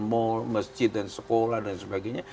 mal masjid dan sekolah dan sebagainya